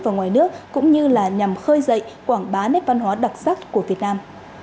và ngoài nước cũng như là nhằm khơi dậy quảng bá nét văn hóa đặc sắc của việt nam